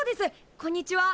こんにちは。